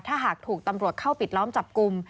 ถ้าหากถูกตำรวจเข้าปิดล้อมจับกลุ่ม